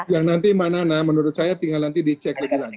yang nanti mbak nana menurut saya tinggal nanti dicek lebih lanjut